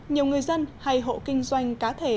nhiều người dân hay hộ kinh doanh cá thể